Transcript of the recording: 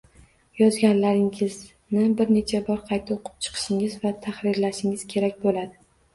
Yozganlaringizni bir necha bor qayta o’qib chiqishingiz va tahrirlashingiz kerak bo’ladi